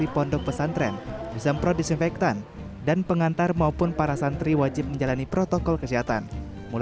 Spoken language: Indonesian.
pondok pesantren lirboyo